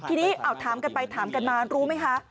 ทีนี้ถามกันไปถามกันมารู้ไหมคะ